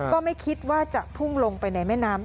ก็ไม่คิดว่าจะพุ่งลงไปในแม่น้ำ